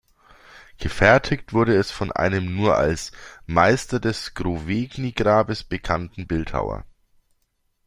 Gefertigt wurde es von einem nur als "Meister des Scrovegni-Grabes" bekannten Bildhauer.